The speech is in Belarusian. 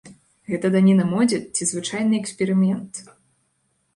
Гэта даніна модзе ці звычайны эксперымент?